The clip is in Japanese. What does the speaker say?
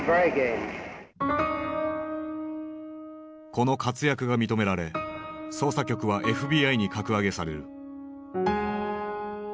この活躍が認められ捜査局はＦＢＩに格上げされる。